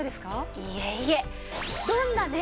いえいえ。